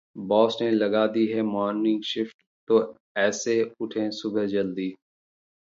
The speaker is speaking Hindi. बॉस ने लगा दी है मॉर्निंग शिफ्ट तो ऐसे उठें सुबह जल्दी